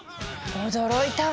驚いたわ！